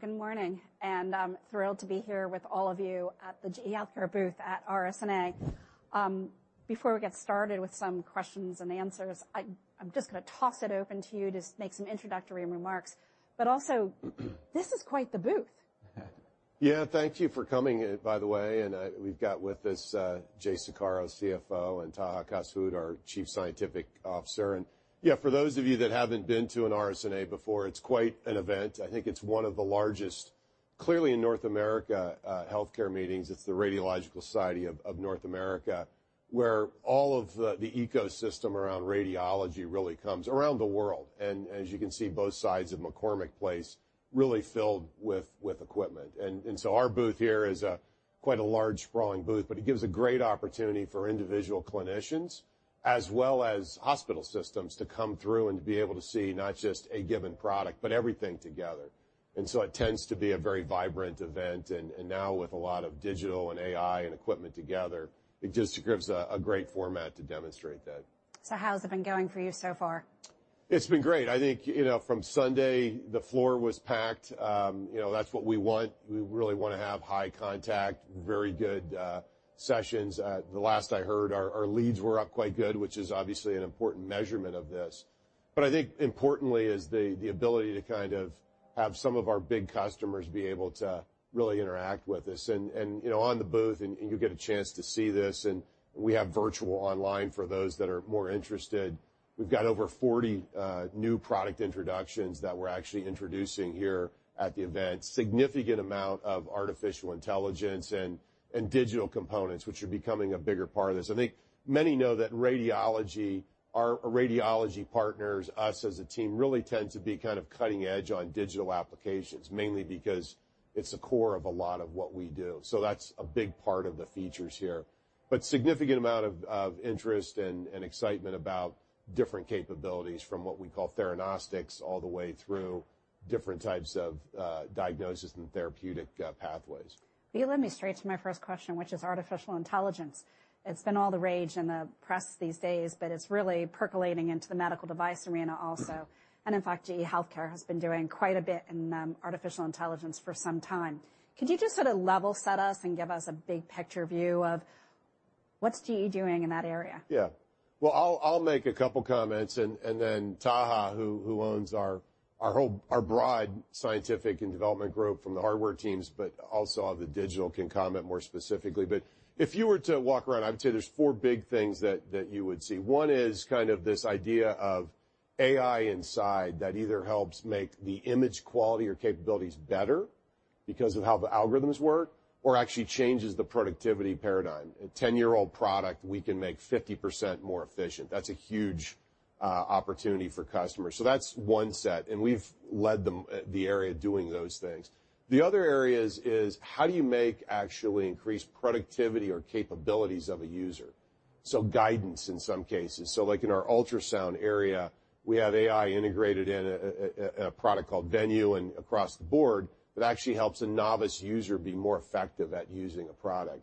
Good morning, and I'm thrilled to be here with all of you at the GE HealthCare booth at RSNA. Before we get started with some questions and answers, I'm just gonna toss it open to you, just make some introductory remarks, but also, this is quite the booth. Yeah, thank you for coming, by the way, and, we've got with us, Jay Saccaro, CFO, and Taha Kass-Hout, our Chief Scientific Officer. Yeah, for those of you that haven't been to an RSNA before, it's quite an event. I think it's one of the largest, clearly, in North America, healthcare meetings. It's the Radiological Society of North America, where all of the ecosystem around radiology really comes, around the world. And as you can see, both sides of McCormick Place really filled with equipment. And so our booth here is, quite a large, sprawling booth, but it gives a great opportunity for individual clinicians as well as hospital systems to come through and to be able to see not just a given product, but everything together. And so it tends to be a very vibrant event, and now with a lot of digital and AI and equipment together, it just gives a great format to demonstrate that. So how's it been going for you so far? It's been great. I think, you know, from Sunday, the floor was packed. You know, that's what we want. We really wanna have high contact, very good sessions. The last I heard, our leads were up quite good, which is obviously an important measurement of this. But I think importantly is the ability to kind of have some of our big customers be able to really interact with us and, you know, on the booth, and you'll get a chance to see this. And we have virtual online for those that are more interested. We've got over 40 new product introductions that we're actually introducing here at the event. Significant amount of artificial intelligence and digital components, which are becoming a bigger part of this. I think many know that radiology, our radiology partners, us as a team, really tend to be kind of cutting edge on digital applications, mainly because it's the core of a lot of what we do. So that's a big part of the features here. But significant amount of interest and excitement about different capabilities, from what we call theranostics, all the way through different types of diagnosis and therapeutic pathways. You led me straight to my first question, which is artificial intelligence. It's been all the rage in the press these days, but it's really percolating into the medical device arena also. And in fact, GE HealthCare has been doing quite a bit in artificial intelligence for some time. Could you just sort of level set us and give us a big picture view of what's GE doing in that area? Yeah. Well, I'll make a couple comments, and then Taha, who owns our whole... our broad scientific and development group from the hardware teams, but also all the digital, can comment more specifically. But if you were to walk around, I would say there's four big things that you would see. One is kind of this idea of AI inside that either helps make the image quality or capabilities better because of how the algorithms work, or actually changes the productivity paradigm. A 10-year-old product, we can make 50% more efficient. That's a huge opportunity for customers. So that's one set, and we've led them the area doing those things. The other areas is, how do you make actually increase productivity or capabilities of a user? So guidance, in some cases. So like in our ultrasound area, we have AI integrated in a product called Venue and across the board that actually helps a novice user be more effective at using a product.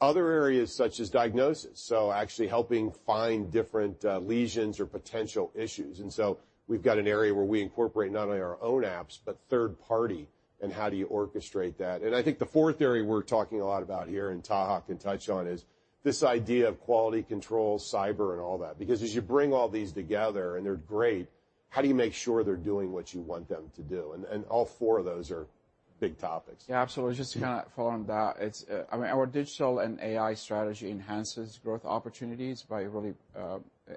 Other areas such as diagnosis, so actually helping find different lesions or potential issues. And so we've got an area where we incorporate not only our own apps, but third party, and how do you orchestrate that? And I think the fourth area we're talking a lot about here, and Taha can touch on, is this idea of quality control, cyber, and all that. Because as you bring all these together, and they're great, how do you make sure they're doing what you want them to do? And all four of those are big topics. Yeah, absolutely. Just to kind of follow on that, it's, I mean, our digital and AI strategy enhances growth opportunities by really,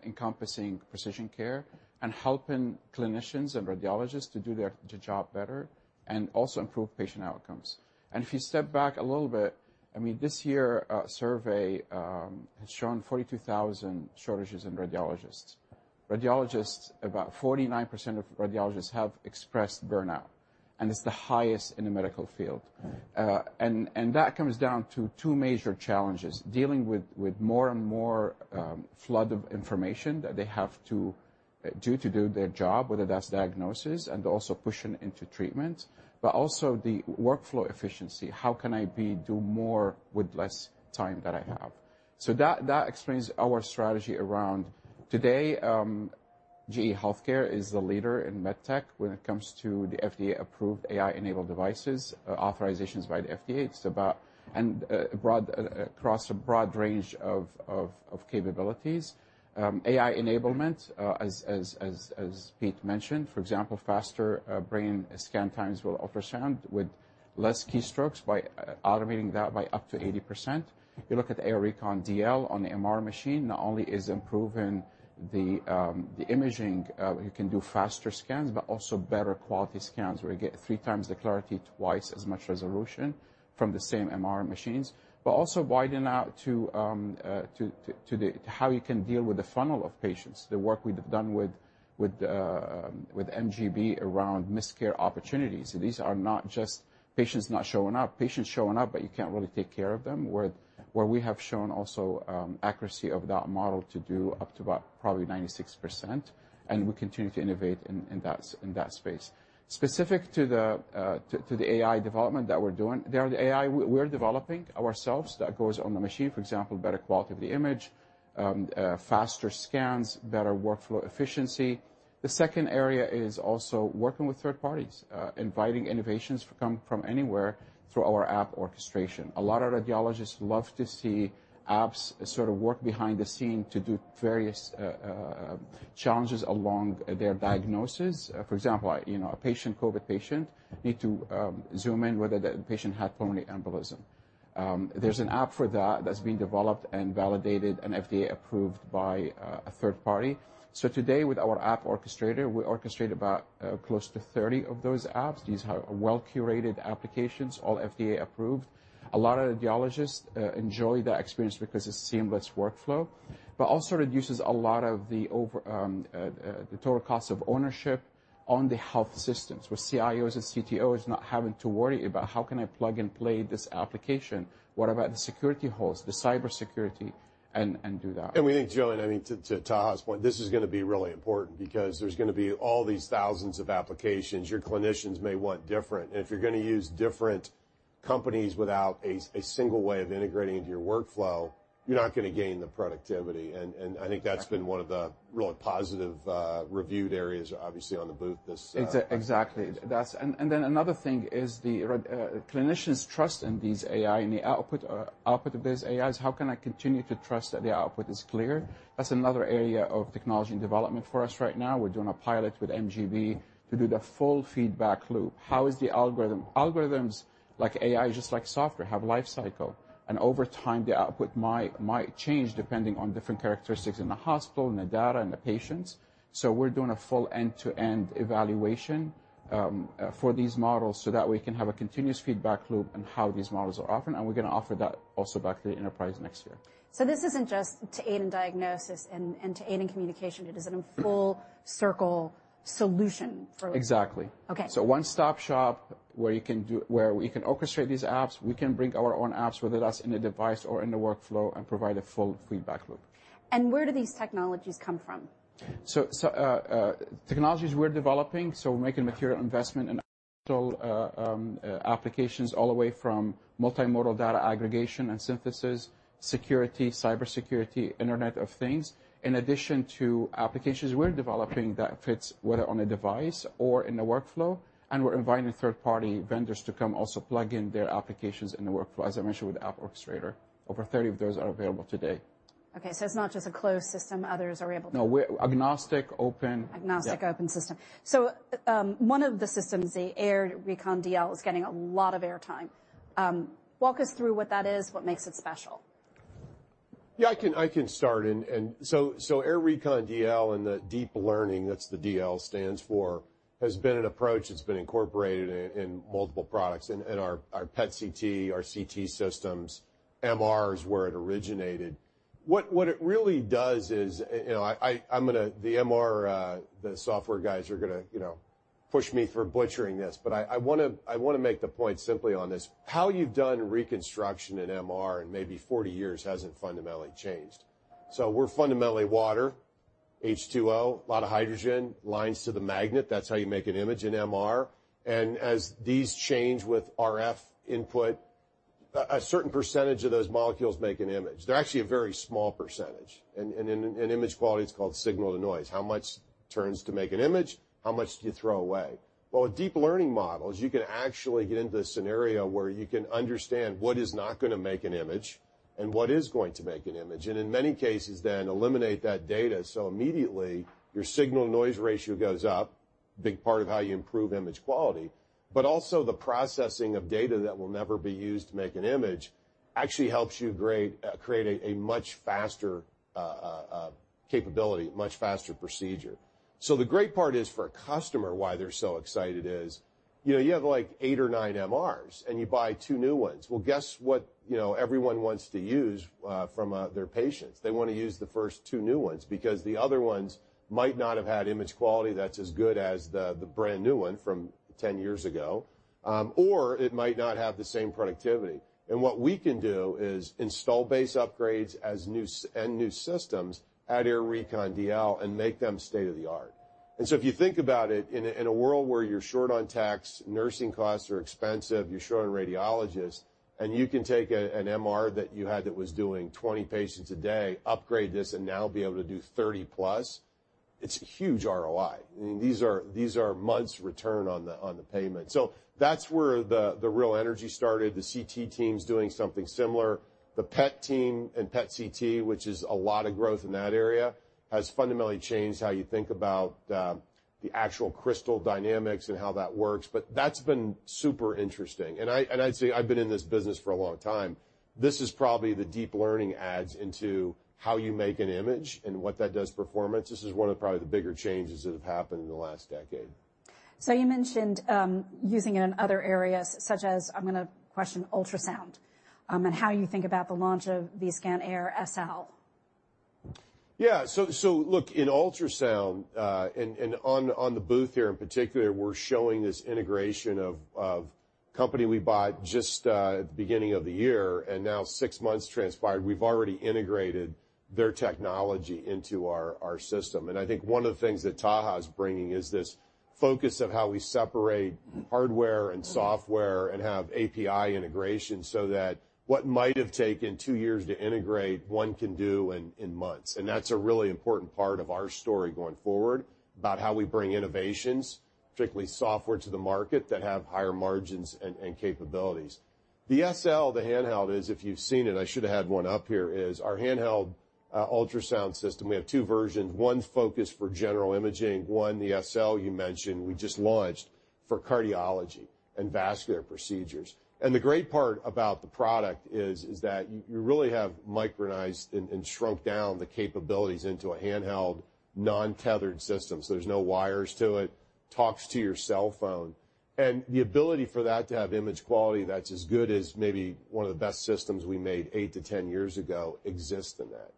encompassing precision care and helping clinicians and radiologists to do their, the job better and also improve patient outcomes. And if you step back a little bit, I mean, this year, a survey has shown 42,000 shortages in radiologists. Radiologists, about 49% of radiologists have expressed burnout, and it's the highest in the medical field. And that comes down to two major challenges: dealing with, with more and more, flood of information that they have to do to do their job, whether that's diagnosis, and also pushing into treatment, but also the workflow efficiency. How can I do more with less time that I have? So that explains our strategy around... Today, GE HealthCare is the leader in med tech when it comes to the FDA-approved AI-enabled devices, authorizations by the FDA. It's about broad, across a broad range of capabilities. AI enablement, as Pete mentioned, for example, faster brain scan times with ultrasound, with less keystrokes by automating that by up to 80%. You look at AIR Recon DL on the MR machine, not only is improving the imaging, you can do faster scans, but also better quality scans, where you get 3x the clarity, twice as much resolution from the same MR machines. But also widen out to the how you can deal with the funnel of patients, the work we've done with MGB around missed care opportunities. These are not just patients not showing up, patients showing up, but you can't really take care of them, where we have shown also accuracy of that model to do up to about probably 96%, and we continue to innovate in that space. Specific to the AI development that we're doing, there are the AI we're developing ourselves that goes on the machine, for example, better quality of the image, faster scans, better workflow efficiency. The second area is also working with third parties, inviting innovations from anywhere through our App Orchestrator. A lot of radiologists love to see apps sort of work behind the scene to do various challenges along their diagnosis. For example, you know, a patient, COVID patient, need to zoom in whether the patient had pulmonary embolism. There's an app for that that's been developed and validated and FDA approved by a third party. So today, with our App Orchestrator, we orchestrate about close to 30 of those apps. These are well-curated applications, all FDA approved. A lot of radiologists enjoy the experience because it's seamless workflow, but also reduces a lot of the total cost of ownership on the health systems, with CIOs and CTOs not having to worry about: How can I plug and play this application? What about the security holes, the cybersecurity, and do that. And we think, Joanne, I mean, to Taha's point, this is gonna be really important because there's gonna be all these thousands of applications. Your clinicians may want different. And if you're gonna use different companies without a single way of integrating into your workflow, you're not gonna gain the productivity. And I think that's been one of the really positive reviewed areas, obviously, on the booth this. Exactly. That's. And then another thing is the rad clinicians' trust in these AI, in the output, output of these AIs, how can I continue to trust that the output is clear? That's another area of technology and development for us right now. We're doing a pilot with MGB to do the full feedback loop. How is the algorithm... Algorithms, like AI, just like software, have lifecycle, and over time, the output might change depending on different characteristics in the hospital, in the data, and the patients. So we're doing a full end-to-end evaluation for these models so that we can have a continuous feedback loop on how these models are offering, and we're gonna offer that also back to the enterprise next year. So this isn't just to aid in diagnosis and to aid in communication. It is in a full-circle solution for- Exactly. Okay. One-stop shop where we can orchestrate these apps. We can bring our own apps, whether that's in a device or in the workflow, and provide a full feedback loop. Where do these technologies come from? Technologies we're developing, making material investment in applications all the way from multimodal data aggregation and synthesis, security, cybersecurity, Internet of Things, in addition to applications we're developing that fits whether on a device or in a workflow, and we're inviting third-party vendors to come also plug in their applications in the workflow, as I mentioned, with App Orchestrator. Over 30 of those are available today. Okay, so it's not just a closed system, others are able to- No, we're agnostic, open. Agnostic, open system. Yeah. So, one of the systems, the AIR Recon DL, is getting a lot of airtime. Walk us through what that is, what makes it special. Yeah, I can, I can start. Air Recon DL and the deep learning, that's the DL stands for, has been an approach that's been incorporated in multiple products, in our PET CT, our CT systems. MR is where it originated. What it really does is, you know, I'm gonna—the MR, the software guys are gonna, you know, push me for butchering this, but I wanna make the point simply on this: How you've done reconstruction in MR in maybe 40 years hasn't fundamentally changed. So we're fundamentally water, H2O, a lot of hydrogen, aligns to the magnet. That's how you make an image in MR. And as these change with RF input, a certain percentage of those molecules make an image. They're actually a very small percentage. In image quality, it's called signal-to-noise. How much turns to make an image? How much do you throw away? Well, with deep learning models, you can actually get into a scenario where you can understand what is not gonna make an image and what is going to make an image, and in many cases then, eliminate that data. So immediately, your signal-to-noise ratio goes up, big part of how you improve image quality. But also the processing of data that will never be used to make an image actually helps you create a much faster capability, a much faster procedure. So the great part is for a customer, why they're so excited is, you know, you have, like, eight or nine MRs, and you buy two new ones. Well, guess what, you know, everyone wants to use from their patients? They wanna use the first two new ones because the other ones might not have had image quality that's as good as the brand-new one from 10 years ago, or it might not have the same productivity. And what we can do is installed base upgrades as new systems, add AIR Recon DL, and make them state-of-the-art. And so if you think about it, in a world where you're short on techs, nursing costs are expensive, you're short on radiologists, and you can take an MR that you had that was doing 20 patients a day, upgrade this, and now be able to do 30+, it's huge ROI. I mean, these are months' return on the payment. So that's where the real energy started. The CT team's doing something similar. The PET team and PET CT, which is a lot of growth in that area, has fundamentally changed how you think about the actual crystal dynamics and how that works. But that's been super interesting. And I'd say I've been in this business for a long time. This is probably the deep learning adds into how you make an image and what that does to performance. This is one of probably the bigger changes that have happened in the last decade. You mentioned using it in other areas, such as, I'm gonna question ultrasound, and how you think about the launch of Vscan Air SL? Yeah. So, look, in ultrasound, and on the booth here in particular, we're showing this integration of company we bought just at the beginning of the year, and now 6 months transpired. We've already integrated their technology into our system. And I think one of the things that Taha is bringing is this focus of how we separate hardware and software and have API integration so that what might have taken 2 years to integrate, one can do in months. And that's a really important part of our story going forward, about how we bring innovations, particularly software, to the market that have higher margins and capabilities. The SL, the handheld, is, if you've seen it, I should have had one up here, is our handheld ultrasound system. We have two versions, one focused for general imaging, one, the SL you mentioned, we just launched for cardiology and vascular procedures. And the great part about the product is that you really have micronized and shrunk down the capabilities into a handheld, non-tethered system. So there's no wires to it, talks to your cell phone. And the ability for that to have image quality that's as good as maybe one of the best systems we made 8-10 years ago exists in that.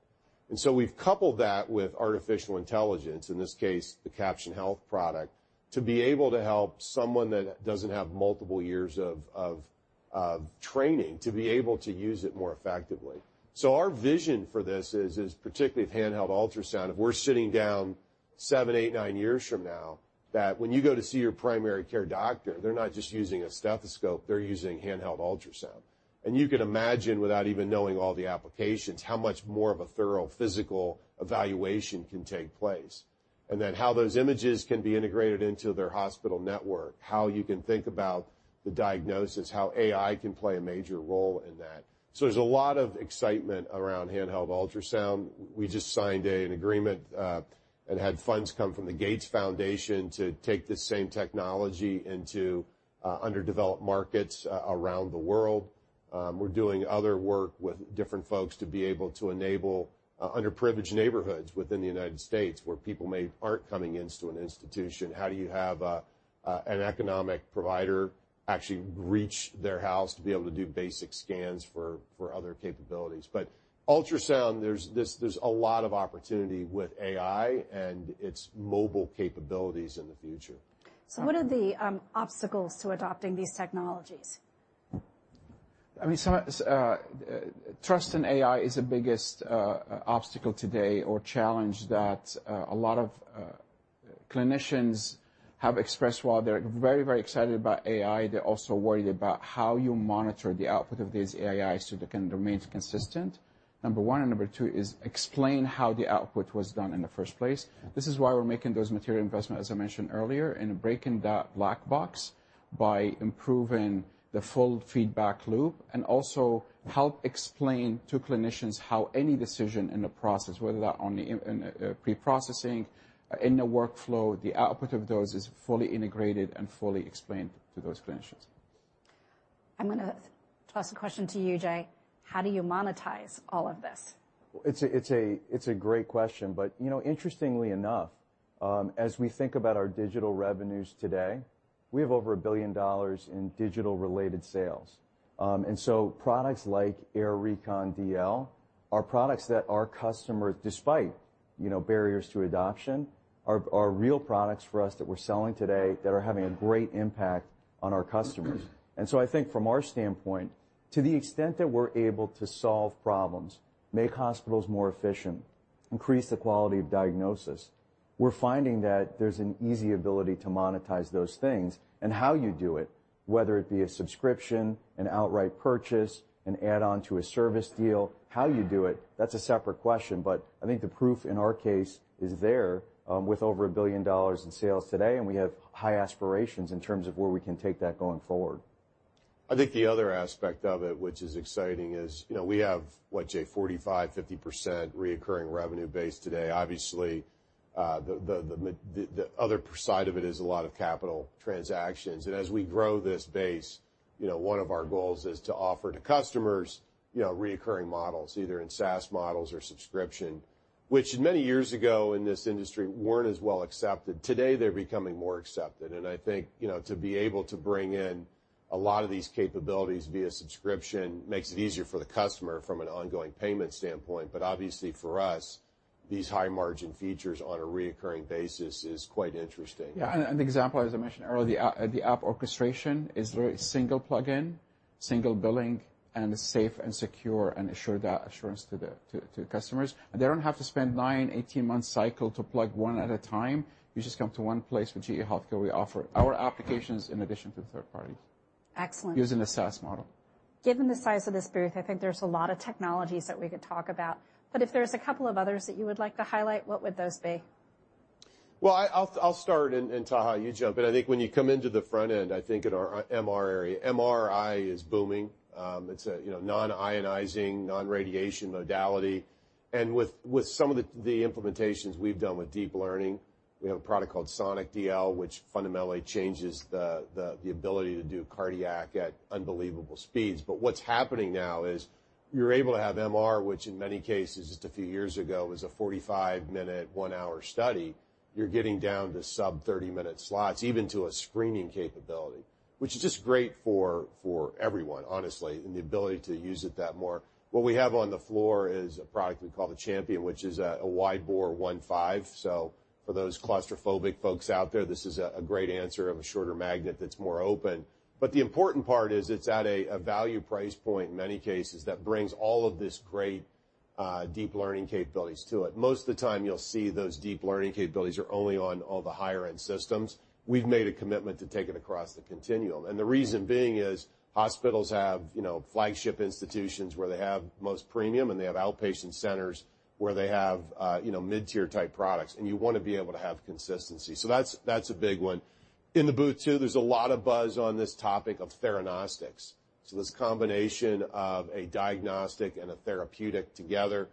And so we've coupled that with artificial intelligence, in this case, the Caption Health product, to be able to help someone that doesn't have multiple years of training, to be able to use it more effectively. So our vision for this is particularly with handheld ultrasound, if we're sitting down 7, 8, 9 years from now, that when you go to see your primary care doctor, they're not just using a stethoscope, they're using handheld ultrasound. And you can imagine, without even knowing all the applications, how much more of a thorough physical evaluation can take place, and then how those images can be integrated into their hospital network, how you can think about the diagnosis, how AI can play a major role in that. So there's a lot of excitement around handheld ultrasound. We just signed an agreement and had funds come from the Gates Foundation to take this same technology into underdeveloped markets around the world. We're doing other work with different folks to be able to enable underprivileged neighborhoods within the United States, where people may... Aren't coming into an institution. How do you have a, an economic provider actually reach their house to be able to do basic scans for other capabilities? But ultrasound, there's a lot of opportunity with AI and its mobile capabilities in the future. So what are the obstacles to adopting these technologies? I mean, some trust in AI is the biggest obstacle today, or challenge, that a lot of clinicians have expressed. While they're very, very excited about AI, they're also worried about how you monitor the output of these AI so they can remain consistent, number one, and number two is explain how the output was done in the first place. This is why we're making those material investments, as I mentioned earlier, and breaking that black box by improving the full feedback loop, and also help explain to clinicians how any decision in the process, whether that in the pre-processing, in the workflow, the output of those is fully integrated and fully explained to those clinicians. I'm gonna toss a question to you, Jay: How do you monetize all of this? It's a great question, but, you know, interestingly enough, as we think about our digital revenues today, we have over $1 billion in digital-related sales. And so products like AIR Recon DL are products that our customers, despite, you know, barriers to adoption, are real products for us that we're selling today that are having a great impact on our customers. And so I think from our standpoint, to the extent that we're able to solve problems, make hospitals more efficient, increase the quality of diagnosis, we're finding that there's an easy ability to monetize those things. And how you do it, whether it be a subscription, an outright purchase, an add-on to a service deal, how you do it, that's a separate question. But I think the proof, in our case, is there, with over $1 billion in sales today, and we have high aspirations in terms of where we can take that going forward. I think the other aspect of it, which is exciting, is, you know, we have, what, Jay, 45%-50% recurring revenue base today. Obviously, the other side of it is a lot of capital transactions. And as we grow this base, you know, one of our goals is to offer to customers, you know, recurring models, either in SaaS models or subscription, which many years ago in this industry weren't as well accepted. Today, they're becoming more accepted, and I think, you know, to be able to bring in a lot of these capabilities via subscription makes it easier for the customer from an ongoing payment standpoint. But obviously, for us, these high-margin features on a recurring basis is quite interesting. Yeah, and the example, as I mentioned earlier, the App Orchestrator is very single plugin, single billing, and safe and secure, and assure that assurance to the customers. And they don't have to spend 9-18-month cycle to plug one at a time. You just come to one place with GE HealthCare. We offer our applications in addition to third parties- Excellent. using the SaaS model. Given the size of this booth, I think there's a lot of technologies that we could talk about, but if there's a couple of others that you would like to highlight, what would those be? Well, I'll start and Taha, you jump in. I think when you come into the front end, I think in our MR area, MRI is booming. It's a, you know, non-ionizing, non-radiation modality, and with some of the implementations we've done with deep learning, we have a product called Sonic DL, which fundamentally changes the ability to do cardiac at unbelievable speeds. But what's happening now is you're able to have MR, which in many cases, just a few years ago, was a 45-minute, 1-hour study. You're getting down to sub-30-minute slots, even to a screening capability, which is just great for everyone, honestly, and the ability to use it that more. What we have on the floor is a product we call the Champion, which is a wide-bore 1.5. So for those claustrophobic folks out there, this is a great answer of a shorter magnet that's more open. But the important part is it's at a value price point in many cases that brings all of this great deep learning capabilities to it. Most of the time, you'll see those deep learning capabilities are only on all the higher-end systems. We've made a commitment to take it across the continuum, and the reason being is hospitals have, you know, flagship institutions where they have most premium, and they have outpatient centers where they have, you know, mid-tier type products, and you want to be able to have consistency. So that's a big one. In the booth, too, there's a lot of buzz on this topic of theranostics, so this combination of a diagnostic and a therapeutic together.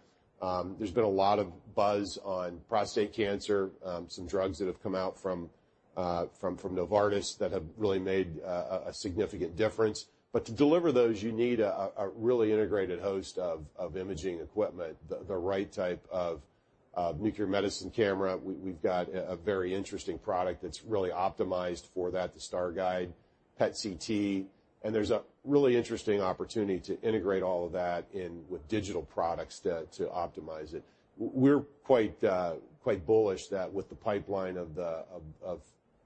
There's been a lot of buzz on prostate cancer, some drugs that have come out from, from Novartis that have really made a significant difference. But to deliver those, you need a really integrated host of imaging equipment, the right type of nuclear medicine camera. We've got a very interesting product that's really optimized for that, the StarGuide PET/CT, and there's a really interesting opportunity to integrate all of that in with digital products to optimize it. We're quite bullish that with the pipeline of the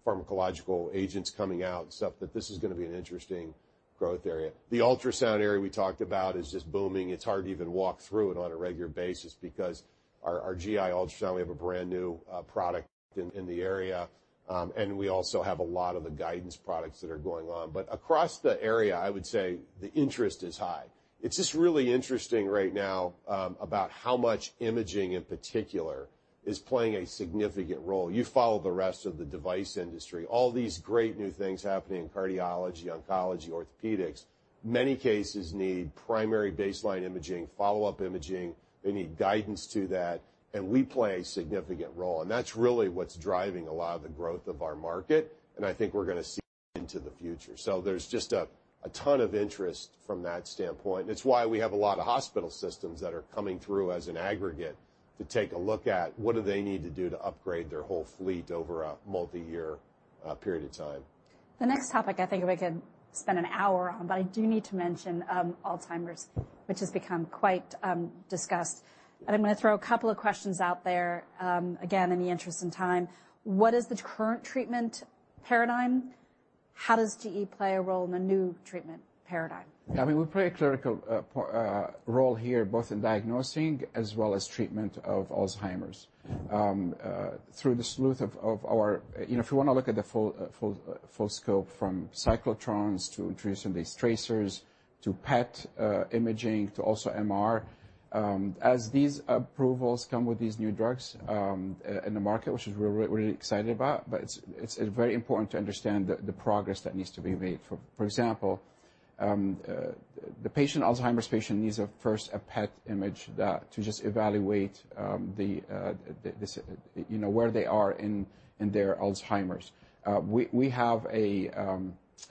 pharmacological agents coming out and stuff, that this is gonna be an interesting growth area. The ultrasound area we talked about is just booming. It's hard to even walk through it on a regular basis because our GI ultrasound, we have a brand-new product in the area, and we also have a lot of the guidance products that are going on. But across the area, I would say the interest is high. It's just really interesting right now about how much imaging, in particular, is playing a significant role. You follow the rest of the device industry, all these great new things happening in cardiology, oncology, orthopedics. Many cases need primary baseline imaging, follow-up imaging. They need guidance to that, and we play a significant role, and that's really what's driving a lot of the growth of our market, and I think we're gonna see into the future. So there's just a ton of interest from that standpoint, and it's why we have a lot of hospital systems that are coming through as an aggregate to take a look at what do they need to do to upgrade their whole fleet over a multiyear period of time. The next topic, I think we could spend an hour on, but I do need to mention, Alzheimer's, which has become quite, discussed. And I'm gonna throw a couple of questions out there, again, in the interest of time. What is the current treatment paradigm? How does GE play a role in the new treatment paradigm? I mean, we play a critical part role here, both in diagnosing as well as treatment of Alzheimer's. Through the suite of our... You know, if you wanna look at the full scope, from cyclotrons to introducing these tracers to PET imaging to also MR, as these approvals come with these new drugs in the market, which is we're really excited about, but it's very important to understand the progress that needs to be made. For example, the Alzheimer's patient needs a first PET image to just evaluate this, you know, where they are in their Alzheimer's. We have a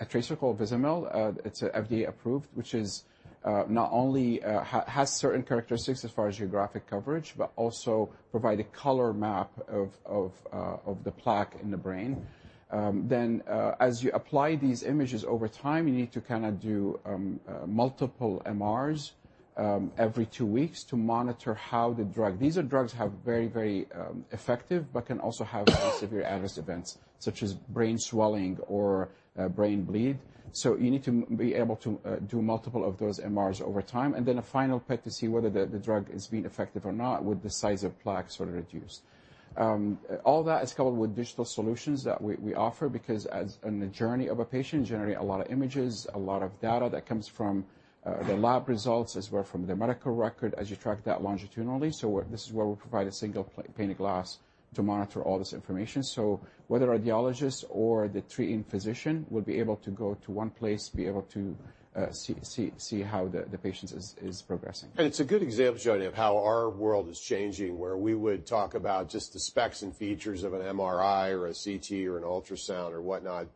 tracer called Vizamyl. It's FDA approved, which is not only has certain characteristics as far as geographic coverage, but also provide a color map of of the plaque in the brain. Then, as you apply these images over time, you need to kind of do multiple MRs every two weeks to monitor how the drug... These are drugs have very, very effective, but can also have very severe adverse events, such as brain swelling or brain bleed. So you need to be able to do multiple of those MRs over time, and then a final PET to see whether the the drug is being effective or not, with the size of plaques sort of reduced. All that is coupled with digital solutions that we offer because as in the journey of a patient, you generate a lot of images, a lot of data that comes from the lab results as well from the medical record, as you track that longitudinally. So this is where we provide a single pane of glass to monitor all this information. So whether a radiologist or the treating physician would be able to go to one place to be able to see how the patient is progressing. It's a good example, Jenny, of how our world is changing, where we would talk about just the specs and features of an MRI or a CT or an ultrasound or whatnot,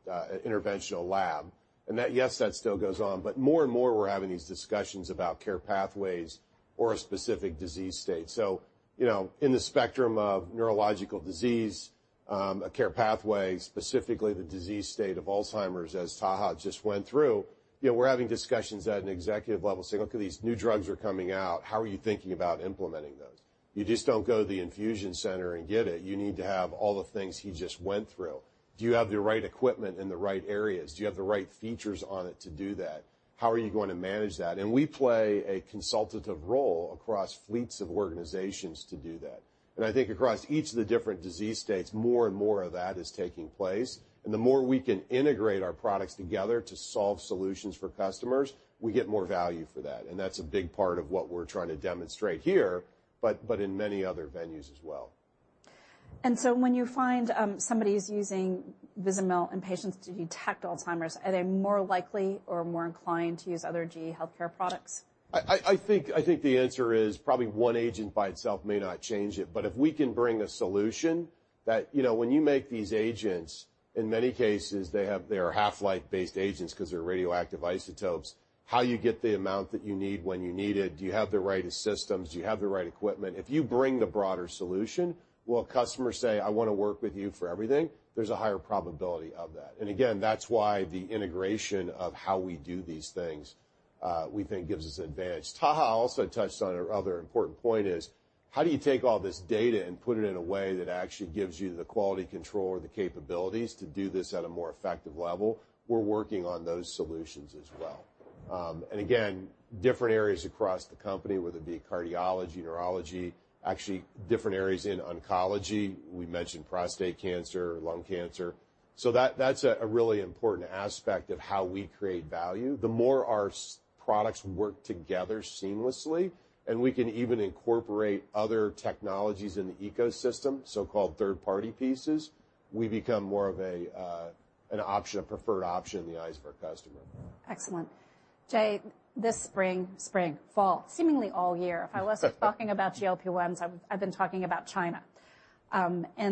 interventional lab, and that... Yes, that still goes on, but more and more, we're having these discussions about care pathways or a specific disease state. So, you know, in the spectrum of neurological disease, a care pathway, specifically the disease state of Alzheimer's, as Taha just went through, you know, we're having discussions at an executive level saying: "Look, these new drugs are coming out. How are you thinking about implementing those?" You just don't go to the infusion center and get it. You need to have all the things he just went through. Do you have the right equipment in the right areas? Do you have the right features on it to do that? How are you going to manage that? We play a consultative role across fleets of organizations to do that. I think across each of the different disease states, more and more of that is taking place, and the more we can integrate our products together to solve solutions for customers, we get more value for that, and that's a big part of what we're trying to demonstrate here, but in many other venues as well. When you find somebody is using Vizamyl in patients to detect Alzheimer's, are they more likely or more inclined to use other GE HealthCare products? I think the answer is probably one agent by itself may not change it, but if we can bring a solution that... You know, when you make these agents, in many cases, they are half-life-based agents because they're radioactive isotopes. How you get the amount that you need when you need it, do you have the right systems? Do you have the right equipment? If you bring the broader solution, will customers say, "I want to work with you for everything?" There's a higher probability of that. And again, that's why the integration of how we do these things, we think gives us an advantage. Taha also touched on another important point is-... How do you take all this data and put it in a way that actually gives you the quality control or the capabilities to do this at a more effective level? We're working on those solutions as well. And again, different areas across the company, whether it be cardiology, neurology, actually different areas in oncology. We mentioned prostate cancer, lung cancer. So that, that's a really important aspect of how we create value. The more our products work together seamlessly, and we can even incorporate other technologies in the ecosystem, so-called third-party pieces, we become more of a, an option, a preferred option in the eyes of our customer. Excellent. Jay, this spring, fall, seemingly all year, if I wasn't talking about GLP-1s, I've been talking about China.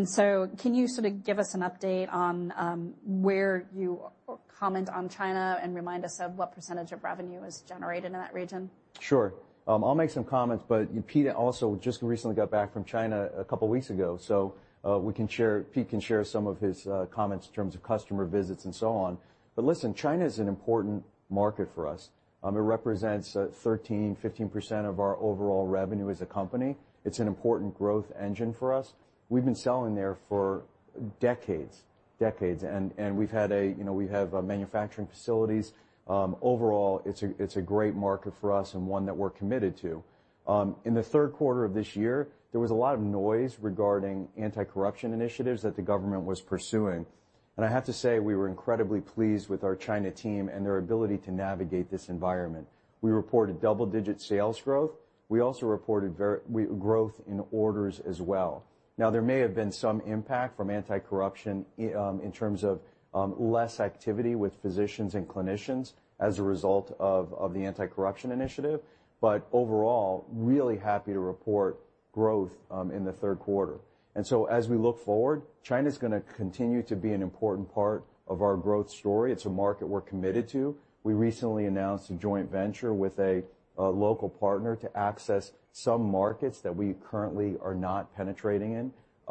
So can you sort of give us an update on where you... or comment on China and remind us of what percentage of revenue is generated in that region? Sure. I'll make some comments, but Pete also just recently got back from China a couple weeks ago, so we can share, Pete can share some of his comments in terms of customer visits and so on. But listen, China is an important market for us. It represents 13%-15% of our overall revenue as a company. It's an important growth engine for us. We've been selling there for decades, decades, and we've had a, you know, we have manufacturing facilities. Overall, it's a great market for us and one that we're committed to. In the third quarter of this year, there was a lot of noise regarding anti-corruption initiatives that the government was pursuing, and I have to say, we were incredibly pleased with our China team and their ability to navigate this environment. We reported double-digit sales growth. We also reported growth in orders as well. Now, there may have been some impact from anti-corruption in terms of less activity with physicians and clinicians as a result of the anti-corruption initiative, but overall, really happy to report growth in the third quarter. So as we look forward, China's gonna continue to be an important part of our growth story. It's a market we're committed to. We recently announced a joint venture with a local partner to access some markets that we currently are not penetrating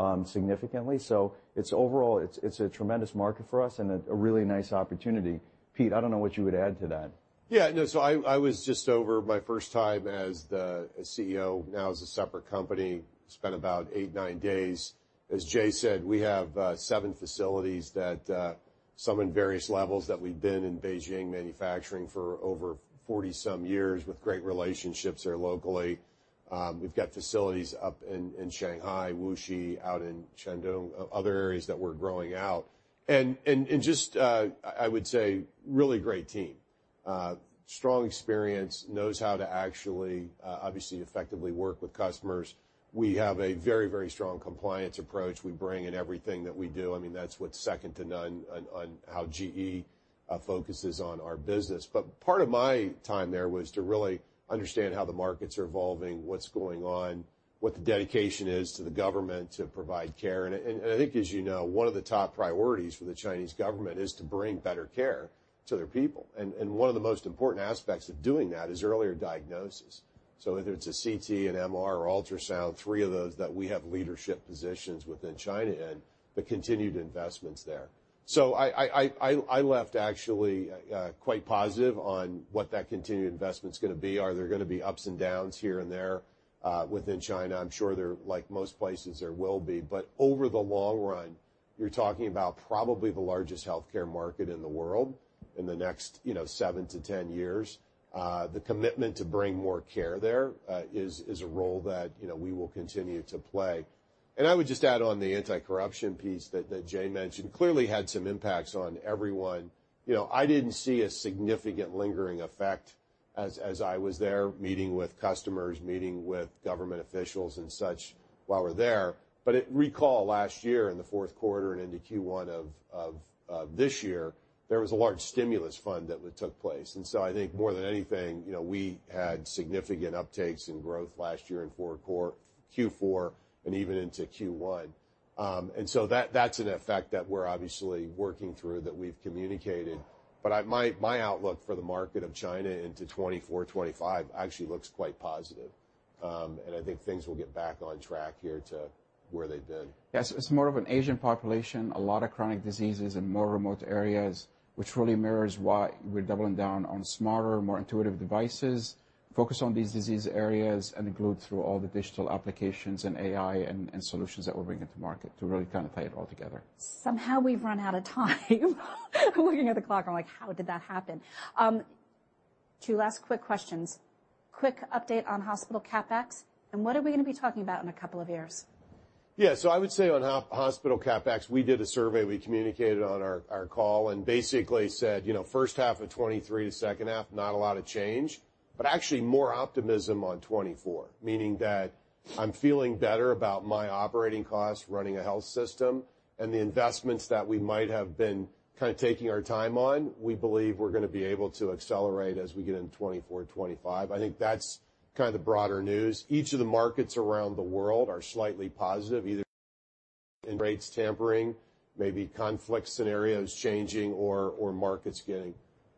in significantly. So it's overall a tremendous market for us and a really nice opportunity. Pete, I don't know what you would add to that. Yeah, no, so I was just over my first time as the CEO, now as a separate company. Spent about 8, 9 days. As Jay said, we have 7 facilities that some in various levels, that we've been in Beijing manufacturing for over 40-some years, with great relationships there locally. We've got facilities up in Shanghai, Wuxi, out in Shandong, other areas that we're growing out. And just, I would say, a really great team. Strong experience, knows how to actually obviously effectively work with customers. We have a very, very strong compliance approach we bring in everything that we do. I mean, that's what's second to none on how GE focuses on our business. But part of my time there was to really understand how the markets are evolving, what's going on, what the dedication is to the government to provide care, and I think, as you know, one of the top priorities for the Chinese government is to bring better care to their people. And one of the most important aspects of doing that is earlier diagnosis. So whether it's a CT, an MR, or ultrasound, three of those that we have leadership positions within China in, but continued investments there. So I left actually quite positive on what that continued investment's gonna be. Are there gonna be ups and downs here and there within China? I'm sure there, like most places, there will be. But over the long run, you're talking about probably the largest healthcare market in the world in the next, you know, 7-10 years. The commitment to bring more care there is a role that, you know, we will continue to play. And I would just add on the anti-corruption piece that Jay mentioned, clearly had some impacts on everyone. You know, I didn't see a significant lingering effect as I was there, meeting with customers, meeting with government officials and such while we're there. Recall last year in the fourth quarter and into Q1 of this year, there was a large stimulus fund that took place, and so I think more than anything, you know, we had significant uptakes in growth last year in fourth quarter, Q4 and even into Q1. And so that, that's an effect that we're obviously working through, that we've communicated. But I... My, my outlook for the market of China into 2024, 2025 actually looks quite positive. And I think things will get back on track here to where they've been. Yes, it's more of an Asian population, a lot of chronic diseases in more remote areas, which really mirrors why we're doubling down on smarter, more intuitive devices, focus on these disease areas, and include through all the digital applications and AI and, and solutions that we're bringing to market to really kind of tie it all together. Somehow we've run out of time. I'm looking at the clock, I'm like, "How did that happen?" Two last quick questions. Quick update on hospital CapEx, and what are we gonna be talking about in a couple of years? Yeah, so I would say on hospital CapEx, we did a survey, we communicated on our call, and basically said, you know, first half of 2023 to second half, not a lot of change, but actually more optimism on 2024, meaning that I'm feeling better about my operating costs running a health system, and the investments that we might have been kind of taking our time on, we believe we're gonna be able to accelerate as we get into 2024, 2025. I think that's kind of the broader news. Each of the markets around the world are slightly positive, either in rates tempering, maybe conflict scenarios changing or markets getting...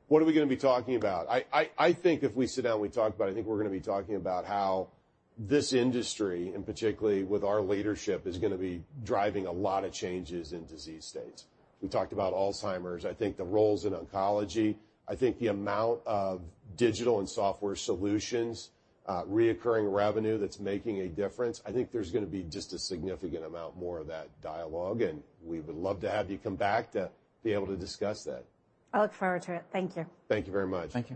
What are we gonna be talking about? I think if we sit down and we talk about it, I think we're gonna be talking about how this industry, and particularly with our leadership, is gonna be driving a lot of changes in disease states. We talked about Alzheimer's. I think the roles in oncology, I think the amount of digital and software solutions, reoccurring revenue that's making a difference, I think there's gonna be just a significant amount more of that dialogue, and we would love to have you come back to be able to discuss that. I look forward to it. Thank you. Thank you very much. Thank you.